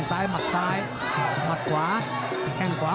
ติดตามยังน้อยกว่า